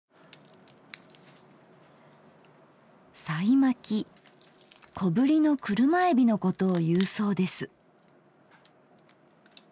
さいまき小ぶりの車えびのことをいうそうです。